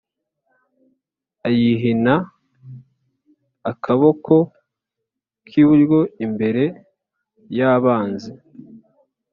ayihina akaboko k’iburyo imbere y’abanzi;